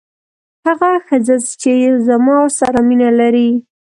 هغه ښځه چې زما سره مینه لري.